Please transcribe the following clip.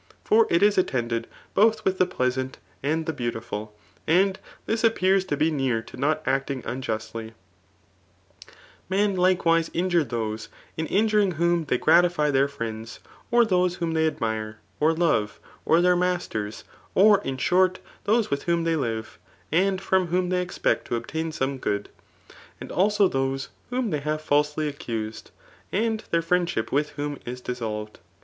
For it is attended both with the pleasant and the beautiful ; and diis appears to be near to not acting unjustly* Men Qce wise injure those, in injuring whom they gratify tha^ friends, or those whom they admire, or love, or their masters, or in short those vHth w^om Aey five, dnd from whom diey expect to obtain some good. Also those whom th^ have ialsdy accused, and theh* firii^id* di^ with whom is dissolved.